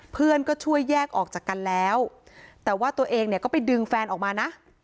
เพื่อนก็ช่วยแยกออกจากกันแล้วแต่ว่าตัวเองเนี่ยก็ไปดึงแฟนออกมานะ